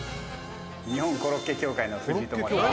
「日本コロッケ協会の藤井と申します。